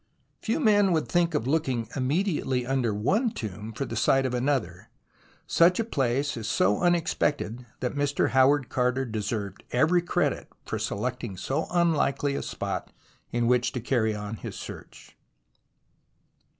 Few men would think of looking immediately under one tomb for the site of another. Such a place is so unexpected that Mr. Howard Carter deserved every credit for selecting so unlikely a spot in which to carry on his search.